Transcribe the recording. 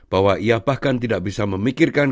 bahwa ia bahkan tidak bisa memikirkan